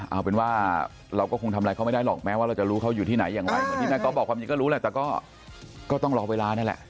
เอาเป็นว่าเราก็คงทำอะไรเขาไม่ได้หรอกแม้ว่าจะรู้เขาอยู่ที่ไหนอย่างไร